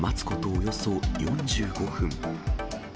およそ４５分。